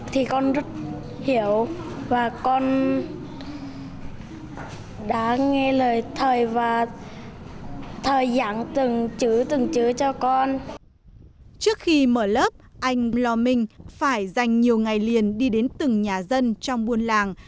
trước khi mở lớp anh lo minh phải dành nhiều ngày liền đi đến từng nhà dân trong buôn làng